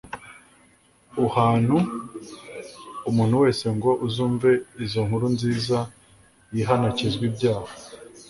Uhantu umuntu wese Ngo uzumve izo nkuru nziza yihan’ akizw’ ibyaha